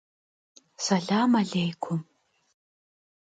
Selam alêykum.